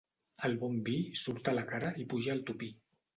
El bon vi surt a la cara i puja al topí.